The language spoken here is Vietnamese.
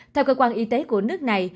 theo cơ quan y tế của nước này